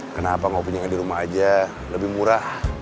kenapa ngopinya di rumah aja lebih murah